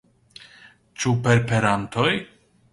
Ĉu per perantoj?